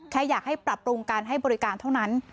แค่อยากให้ปรับปรุงการให้บริการเท่านั้น